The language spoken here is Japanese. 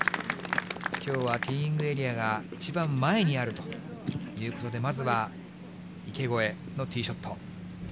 きょうはティーイングエリアが一番前にあるということで、まずは池越えのティーショット。